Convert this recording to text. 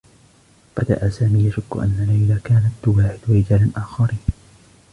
بدأ سامي يشكّ أنّ ليلى كانت تواعد رجالا آخرين.